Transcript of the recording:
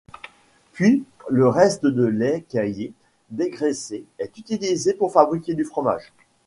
Puis, le reste de lait caillé dégraissé est utilisé pour fabriquer du fromage.